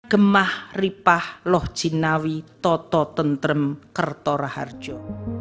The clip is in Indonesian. kemah ripah loh cinawi toto tentrem kertora harjo